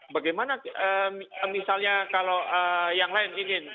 bagaimana misalnya kalau yang lain ingin